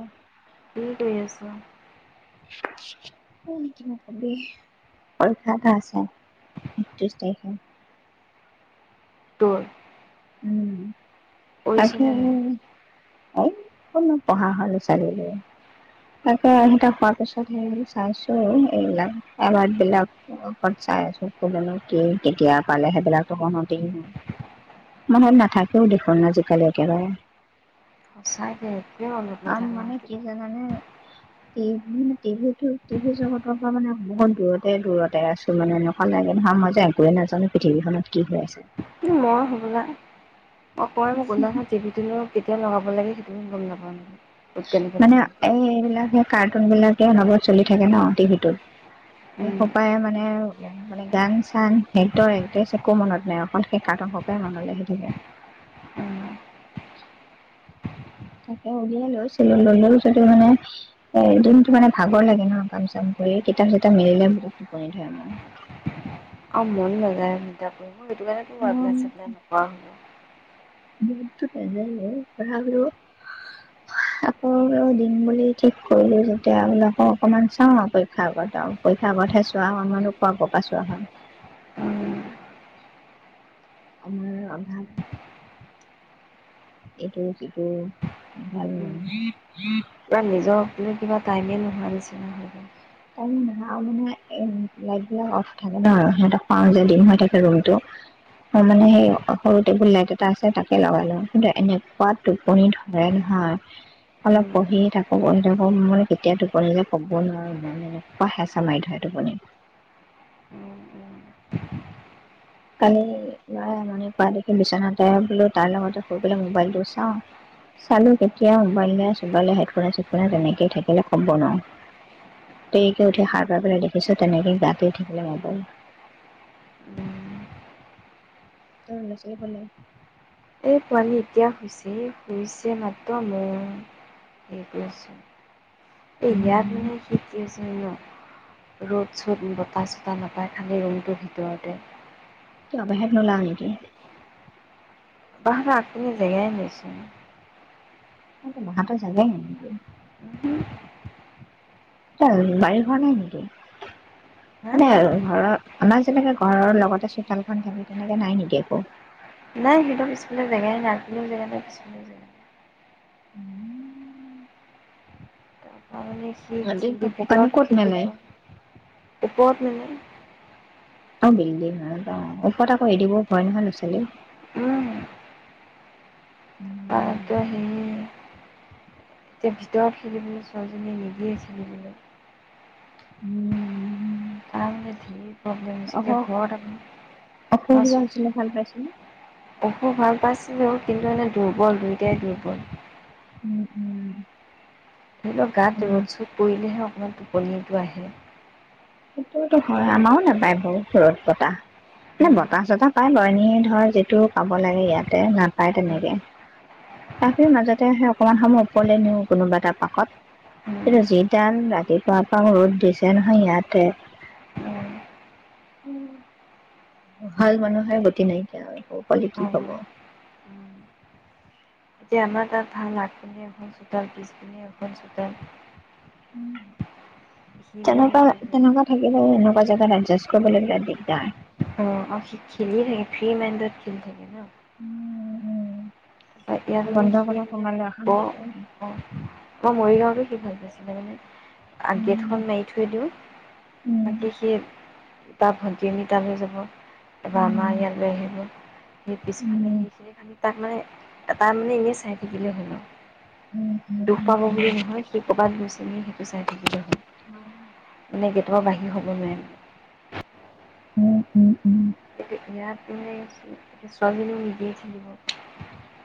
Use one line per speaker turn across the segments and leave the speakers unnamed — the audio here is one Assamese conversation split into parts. অ',
কি কৰি আছ?
ঐ কিবা কবি? পৰীক্ষা এটা আছে একত্ৰিছ তাৰিখে।
তোৰ
উম,
কৰিছেনে নাই?
[unintelligible] হয় [unintelligible] তাকে সেইটা খোৱাৰ পিছত সে চাইছো এইবিলাক এৱাৰ্ড বিলাক। [unintelligible] চাই আছো কোনেনো কি কেতিয়া পালে সেইবিলাকো মনতে নাই। মনত নাথাকেও দেখোন আজিকালি একেবাৰে
সচাকে একোয়ে মনত নথাকে এতিয়া।
উম, টিভি টিভিটো টিভি জগতৰ পৰা মানে বহুত দূৰতে দূৰতে আছে। ত' মানে এনেকুৱা লাগে মই যে একোৱে নাজানো পৃথিৱীখনত কি হৈ আছে?
মই হ'বলা অকল মুকুন দা হেত টিভিটো কেতিয়া লগাব লাগে সেইটো গম নাপাম।
মানে এই এইবিলাকে কাৰ্টুন বিলাকে অনবৰত চলি থাকে ন টিভিটোত,
উম
সপায় মানে মানে গান চান হেতৰ এড্ৰেছ একো মনত নাই, অকল সেই কাৰটুন সোপাই মনলে আহি থাকে।
উম
তাকে উলিয়া লৈছিলো, ললেও যদি মানে এ দিনটো মানে ভাগৰ লাগে ন কাম চাম কৰি, কিতাপ চিতাপ মেলিলে বহুত টোপনি ধৰে মোৰ।
অ মন নাযায় কিতাপ পঢ়িব সেই কাৰণেটো
মোৰ
এপ্লাই চেপ্লাই নকৰা হলো।
[unintelligible] আকৌ দিম বুলি ঠিক কৰিলোঁ যেতিয়া বোলো, অকণমান চাওঁ আৰু পৰীক্ষাৰ আগত আৰু। পৰীক্ষাৰ আগতহে চোৱা হয়, মইনো ক'ত আগৰপৰা চোৱা হয়।
উম
সময়ৰ অভাৱ। এইটো সিটো ভাল ন।
বা নিজৰ বুলি কিবা টাইমেই নোহোৱা নিচিনা হৈ যায়।
টাইম নোহোৱা মানে এ লাইট বিলাক অফ থাকে ন, সিহঁতক পাওঁ যে ডিম হৈ থাকে ৰুমটো। মই মানে সেই সৰু টেবুল লাইট এটা আছে তাকে লগাই লওঁ, কিন্তু এনেকুৱা টোপনি ধৰে নহয়। অলপ
উম
পঢ়ি থাকো, পঢ়ি থাকো, মানে কেতিয়া টোপনি যায় ক'ব নোৱাৰো। এনেকুৱা হেঁচা মাৰি ধৰে টোপনি।
উম উম
কালি ল'ৰা আমনি কৰা দেখি বিছনাতে বোলো তাৰ লগতে শুই পেলাই বোলো মোবাইলটো চাওঁ। চালো কেতিয়া মোবাইলে চোবাইলে হেডফোনে চেডফোনে তেনেকে থাকিলে ক'ব নোৱাৰো। দেৰিকে উঠি সাৰ পাই পেলা দেখিছো তেনেকে গাটো উঠি থাকিলে মোবাইল।
উম
তই লৰা ছোৱালী পালি?
এই পোৱালি এতিয়া শুইছে, শুইছে মাত্ৰ মোৰ সেইটোছো এ
উম
ইয়াত মানে ন' ৰ'দ -চ'দ, বতাহ- চতাহ নাপায় খালী ৰুমটোৰ ভিতৰতে।
কিয় বাহিৰত ললা নেকি?
বাহাৰ আগফালে জেগাই নাই ছোন।
মহাটোৱে জানে নি?
উহু
তাৰ বাৰি ঘৰ নাই নেকি?
হা
মানে ঘৰৰ আমাৰ যেনেকে ঘৰৰ লগতে চোতালখন থাকে, তেনেকে নাই নেকি একো?
নাই সিঁহতৰ পিছফালে জেগাই নাই, আগফালেও জেগা নাই পিছফালেও জেগা নাই।
উম
অ সি খেলি
কাপোৰ কানি
ভিতৰত
ক'ত মেলে
খেলিব, ওপৰত মানে।
অ বিল দিল নাই ন? এশটা কৰি দিব পাৰি নহয় ৰ'লা ছোৱালী
উম তাকে হেৰি এতিয়া ভিতৰত খেলিবলে ছোৱালীজনী নিদিয়ে খেলিবলে।
উম'
আমাৰ মানে ধেই প্ৰব্লেম হৈছে, এতিয়া ঘৰত আকৌ
অসুবিধা
আছো।
হৈছিলে ভাল পাইছিলো
অসুখ ভাল পাইছিলোঁ, কিন্তু এনেই দুৰ্বল, দুয়োটাই দুৰ্বল।
উম উম।
ধৰি লওঁ গাত
উম
ৰ'দ চ'দ পৰিলেহে অকণমান টোপনিটো আহে।
সেইটোট হয়, আমাৰো নাপায় বাৰু ঘৰত পতা। নে বতাহ চতাহ পায় বাও, এনেই ধৰ যিটো পাব লাগে ইয়াতে নাপায় তেনেকে। কাফিৰ মাজতে আহে অকমান সময় ওপৰলে নিওঁ, কোনোবা এটা পাকত। কিটঝ যি দাল ৰাতিপুৱা পৰা ৰ'দ দিছে নহয় ইয়াতে। ভাল মানুহে গতি নাইকিয়া কয় পালে কি হ'ব।
এতিয়া আমাৰ তাত ভাল আগপিনে এখন চোতাল, পিছপিনে এখন চোতাল। সি মানে
তেনেকুৱা-তেনেকুৱা থাকিলে এনেকুৱা জেগাত এডজাষ্ট কৰিবলৈ বিৰাট দিগদাৰ হয়।
অঁ! অঁ সি খেলি থাকে ফ্ৰি মাইডত খেলি থাকে ন। হয় ইয়াত মানে
বন্ধ
সি
ঘৰত সোমালে
প
অশান্তি কৰে
অঁ! মই মৰিগাঁৱতো সি ভাল পাইছিলে মানে আ গেটখন মাৰি থৈ দিওঁ বাকী সি তাৰ ভণ্টিজনী তালৈ যাব। এবাৰ আমাৰ ইয়ালৈ আহিব, সেই পিছফালে সেইখিনি তাক মানে এটা মানে এনেই চাই থাকিলে হ'ল আৰু, দুখ পাব বুলি
হম
নহয় সি ক'ৰবাত গৈছে নে সেইটো চাই থাকিলে হ'ল।
অঁ!
মানে গেটৰ পৰা বাঢ়িৰ হ'ব নোৱাৰে।
উম! হুম-হুম।
ইয়াত মানে এয়া ছোৱালীজনীও নিদিয়ে খেলিব।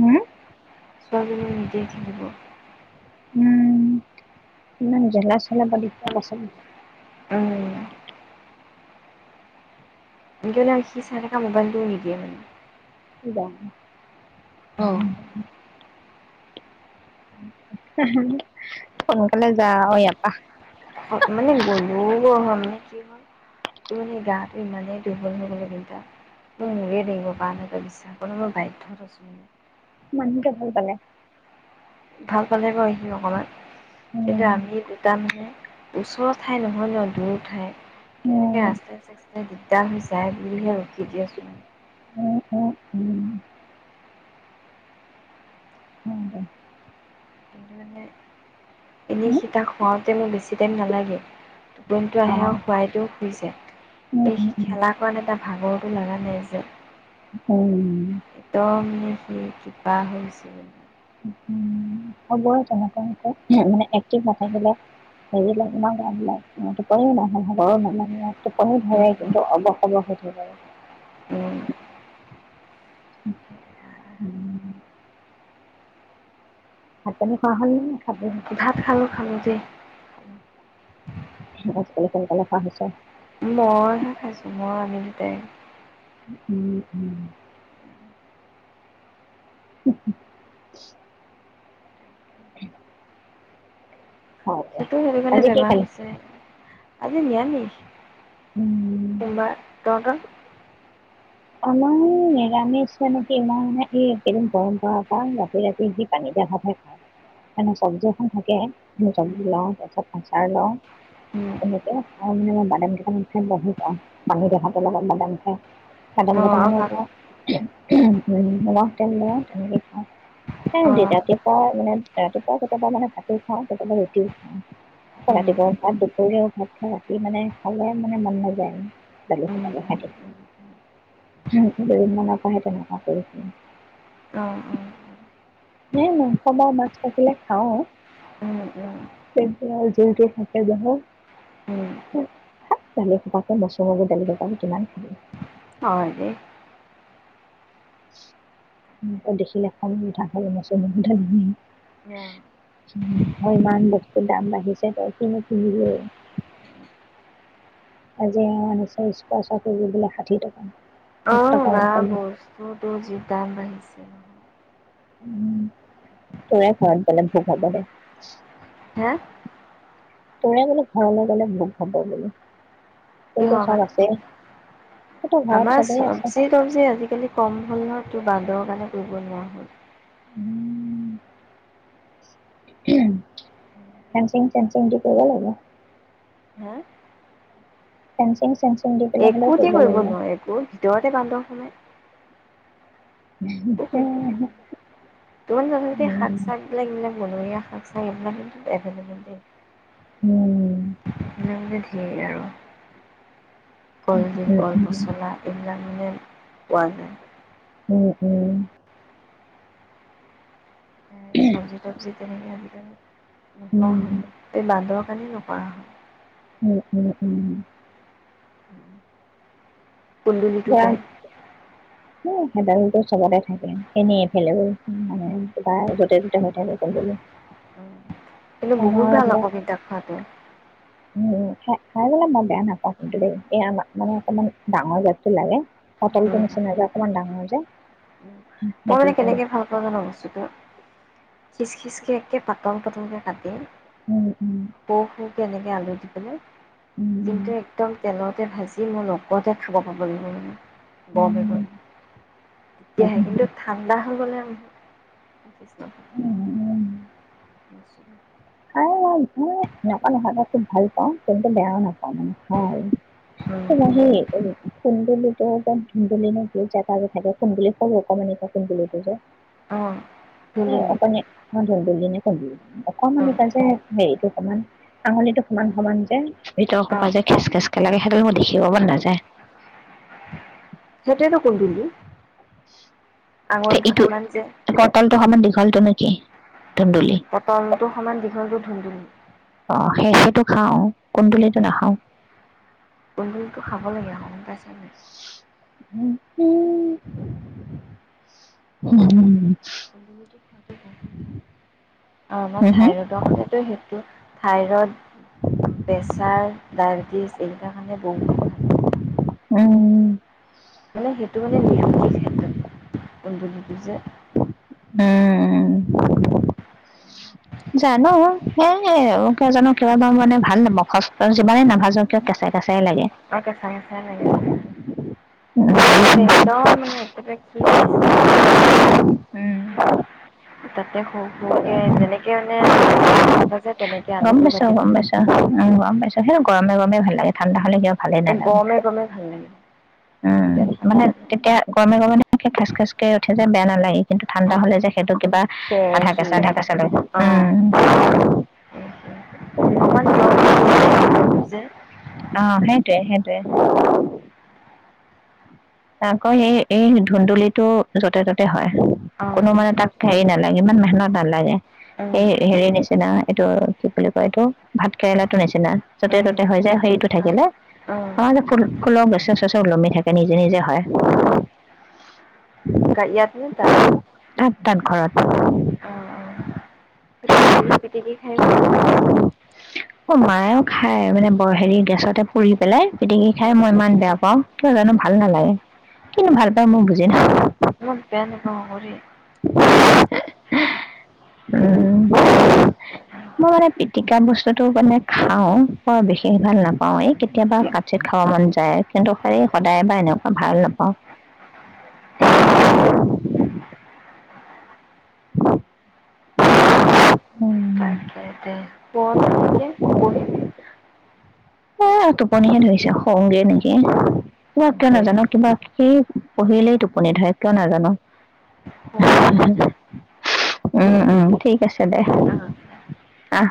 হুম!
ছোৱালীজনীয়ে নিদিয়ে খেলিব।
উম! ইমান জলা-চলা [unintelligible]
উম। এনেকে মানে সি চাই থকা মোবাইলটোও নিদিয়ে মানে।
উবা
অঁ
[unintelligible] সোনকালে যাওঁ অ ইয়াৰ পৰা।
মানে গ'লেও ক হয় মানে কি হয়। সি মানে গাটো ইমানেই দুৰ্বল হৈ গ'লে দিগদাৰ। সেইটো মোৰেই দেখিব পৰা কাৰণ মই বিশ্বাস কৰিব বাধ্য হৈছোঁ।
মানুহকে ভাল পালে।
ভাল পালে গৈ আহিম অকমান
চবৰে
কিন্তু আমি দুটা মানে ওচৰৰ ঠাই নহয় ন দূৰ ঠাই। সেনেকে ৰাস্তাই-চাস্তাই দিগদাৰ হৈ যায় বুলি হে ৰখি দি আছোঁ। কিন্তু মানে এনেই সীতাক শুৱাওঁতে মোৰ বেছি টাইম নালাগে, টোপনিটো আহে আৰু শুৱাই দিওঁ শুই যায়। এই সি খেলা কৰাত এটা ভাগটো লগা নাই যে।
উম!
ত মানে সি কিবা হৈ গৈছিলে।
উম, হুম! হ'ব তেনেকুৱা হৈছে মানে এক্টিভ নাথাকিলে হেৰি লাগে ন গা বিলাক সিহঁতৰ। টোপনিও নাহে [unintelligible] টোপনিও ধৰে কিন্তু অৱস-অৱস হৈ থাকে
উম
আৰু। [inaudible] উম! ভাত, পানী খোৱা হ'ল নে নে খাব হে?
ভাত খালোঁ-খালোঁ দেই।
আজিকালি সোনকালে খোৱা হৈছে।
মইহে খাইছো, মই আমি দুটাই।
উম-উম। [inaudible] [inaudible] হয় দে
সেইটো, সেইটো কাৰণে
আজি কি
বেমাৰ
খালি
হৈছে। আজি নিৰামিষ।
উম,
সোমবাৰ। তহঁতৰ?
আমাৰো নিৰামিষ, মানে কি মই মানে এই এইকেইদিন গৰম পৰাৰ পৰা ৰাতি ৰাতি পানী দিয়া ভাত হে খাওঁ। মানে চব্জি এখন থাকে, চব্জি লওঁ, তাৰপিছত আচাৰ লওঁ।
অ আৰু
তেনেকে আৰু মানে মই বাদাম কেইটামান [unintelligible] পানী দিয়া ভাতৰ লগত বাদাম খাই। বাদাম কেইটামানো
ভাল
লওঁ। নিমখ তেল লও, তেনেকেই খাও। সেই
অ
দে, ৰাতিপুৱা মানে ৰাতিপুৱা কেতিয়াবা মানে ভাতো খাওঁ, কেতিয়াবা ৰুটিও খাওঁ। আক'
উম
ৰাতিপুৱা ভাত, দুপৰীয়াও ভাত খাওঁ, ৰাতি মানে খাবলে মানে মন
উম উম
নাযায়। [unintelligible]
উম
উ, কেইদিন মানৰ পৰাহে তেনেকুৱা কৰিছোঁ।
অ অ
এনেই মাংস বা মাছ থাকিলে খাওঁ।
উম উম
চেকবোৰ আৰু যৰ তৰ‌ থাকে নহয়।
উম
থাক, দালি সোপাকে মচুৰ দালি সোপানো কিমান খাবি।
হয় দেই।
দেখিলে খং উঠা হ'ল [unintelligible]
অ'।
উ, আৰু ইমান বস্তুুৰ দাম বাঢ়িছে তই কিনো কিনিবি। আজি এও আনিছে ইস্কছৰ কেজি বোলে ষাঠি টকা। এক
অ',
টকাও
বাঃ
নকমে
বস্তু তোৰ যি দাম বাঢ়িছে নহয়।
উ, [unintelligible]
হা!
তোৰে বোলো ঘৰলৈ গ'লে ভোক হ'ব বোলো। তোৰতো
কিহৰ
চব আছেই
কাৰণে?
তোৰতো ঘৰত
আমাৰ
চবেই আছে
চবজি তবজি আজিকালি কম হ'ল নহয়, তোৰ বান্দৰৰ কাৰণে কৰিব নোৱাৰা হ'ল।
উ। ফেঞ্চিং সেঞ্চিং থিক কৰিব লাগিব।
হা!
ফেঞ্চিং চেঞ্চিং দি পেলাই হ'লেও কৰিব লাগিব।
বহুত ভিতৰতে বান্দৰ সোমায়। তোৰ জহতে
উম,
শাক-চাক এইবিলাক বনৰীয়া শাক চাক, এইবিলাক কিন্তু এভেইলেবল দেই।
উ।
এনে বুলি ধেৰ আৰু। কলডিল,
উম,
কলপচলা। এইবিলাক [unintelligible] কোৱা ক'।
উ, উ।
এ, চবজি, তবজি তেনেকে গোটেইবোৰ নোহোৱা হ'ল। এই বান্দৰৰ কাৰনেই নোহোৱা হ'ল।
উ, উ, উ।
কুন্দুলিটো পায়।
উ, ভেডাইলতা চবতে থাকে। এনেই এফালে মানে কিবা য'তে ত'তে হৈ থাকে, [unintelligible]
উ। কিন্তু বহুত
আমাৰ
ভাল আকৌ, তিতা খোৱাটো।
উ। খা-খাই পেলাই মই বেয়া নাপাওঁ কিন্তু দেই। এই আমাৰ মানে অকমান ডাঙৰ জাতটো লাগে। পটলটো নিচিনা যে অকণমান ডাঙৰ যে।
[inaudible] মই
সেইটো
মানে
তেনে
কেনেকে ভাল পাওঁ জান বস্তুটো, খিচ খিচ কে একে পাতল পাতলকে। কাটি।
উম' উম'।
সৰু সৰু এনেকে আলু দি পেলাই,
উম,
কিন্তু একদম তেলতে ভাজি। যি মোৰ লগতে খাব পাব লাগিবে মানে, গৰমে
উম,
গৰমে তেতিয়াহে কিন্তু ঠাণ্ডা হৈ গ'লে
উম।
[unintelligible]
খাওঁ মই এনেকুৱা নহয়, মই খুব ভাল পাওঁ, কিন্তু বেয়াও নাপাওঁ মানে। খাওঁ
কৃষ্ণ
কুন্দুলি ৰূপত ধুন্দুলি নেকি যা তা যে থাকে কুন্দুলি কৰৰু অকণমান কুন্দুলিটো যে।
অ',
এ
ধুন্দুলি
অকণি ধুন্দুলী নে কুন্দুলী, অকমানি।
অ',
হেৰিটো সমান আঙলিটো সমান সমান যে, ভিতৰ
অ',
সোপা যে খেচ খেচ [unintelligible]
সেইটোৱেতো কুন্দুলি, আঙলিটো সমান যে।
পতলটো সমান দীঘালটো নেকি ধুন্দুলী?
পটলটো সমান দীঘলটো ধুন্দলি।
অ' সেহাটো খাও কুন্দুলিতো নাখাওঁ।
কুন্দুলিটো খাব লাগে
[unintelligible]
অলপ থাইৰডৰ কাৰণেটো সেইটো থাইৰইড, প্ৰেছাৰ, ডায়েবেটিছ এই বিলাক কাৰণে বহুত ভাল।
উম।
মানে সেইটো মানে নিৰোগী ক্ষেত্ৰত যে।
উম। জানো এ কিয় জানো কিবা বাৰ মানে ভাল নেপাওঁ, খজ যিমানে নাভাজো কিয় কেঁচাই কেঁচাই লাগে।
অ' কেঁচা কেঁচা লাগে, কিন্তু একদম মানে তাতে খিচ খিচ কে কাটি
উম
তাতে সৰু সৰুকে যেনেকে মানে টো কটা যায়, তেনেকে আলুটোও কাটিব
অ' গম পাইছোঁ, সেটো গৰমে গৰমে ভাল লাগে, ঠাণ্ডা হলে কিবা ভালেই
এ
নালাগে
গৰমে গৰমে ভাল লাগে। এতিয়া
উম'
ঠাণ্ডা
মানে তেতিয়া গৰমে গৰমে খেচ খেচ উঠে যে বেয়া নালাগে। কিন্তু ঠাণ্ডা
অঁ
হলে যে সেইটো কিবা
সে
আধা কেঁচা
সেয়া
আধা কেচা লাগে।
অঁ
উম '
অকমান তিয়হটো নিচিনা ভিতৰতো যে।
অ সেইটোৱে সেইটোৱে। আকৌ হে এই ধুন্দুলিটো য'তে ত'তে হয়, কোনো
অঁ
মানে তাক হেৰি নালাগে ইমান মেহনত নালাগে, এই
উম
হেৰি নিচিনা এইটো কি বুলি কয় এইটো ভাত কেৰেলাটো নিচিনা য'তে
উম
ত'তে হৈ যায়, হেৰিটো
অঁ
থাকিলে, আমাৰ যে
অঁ
ফুল ফুলৰ গছে চচে ওলমি থাকে নিজে নিজে হয়।
কালি ইয়াত নে তাত?
তাত তাত ঘৰত।
অ' অ' সেইটো পুৰি পিটিকি খাইয়ো ভাল লাগে।
অ' মায়ে খায়, মানে বৰ হেৰি গেছতে পুৰি পেলাই। পিটিকি খাই মই ইমান বেয়া পাওঁ কিয় জানো ভাল নালাগে, কিন্তু ভাল পায় মোৰ বুজি না।
মই বেয়া নাপাওঁ আকৌ দেই।
[unintelligible] মই মানে পিটি পিটিকা বস্তুতো মানে খাওঁ, বৰ বিশেষ ভাল নাপাওঁ, এই কেতিয়াবা
দেই
কাত চিত খাব মন যায়। কিন্তু সেই সদায় বা এনেকুৱা ভাল নাপাওঁ।
উম অ'।
[unintelligible]
[unintelligible] কহিবিভ
এ টোপনিহে ধৰিছে শুঙগে নেকি, কিয়
দে
নাজানো কিবা কি পঢ়িলেই টোপনি ধৰে কিয় নাজানো।
শু নহ'লে দে
উম উম, ঠিক আছে দে।
অঁ দে
আহ।